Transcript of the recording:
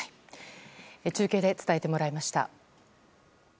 中継で伝えてもらいました。